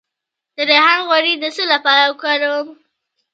د ریحان غوړي د څه لپاره وکاروم؟